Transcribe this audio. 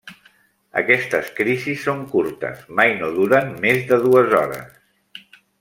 Aquestes crisis són curtes, mai no duren més de dues hores.